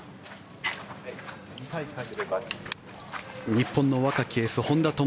日本の若きエース、本多灯